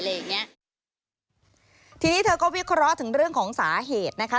ทีนี้เธอก็วิเคราะห์ถึงเรื่องของสาเหตุนะคะ